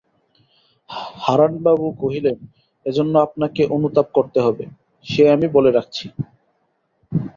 হারানবাবু কহিলেন, এজন্যে আপনাকে অনুতাপ করতে হবে– সে আমি বলে রাখছি।